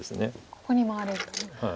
ここに回れると。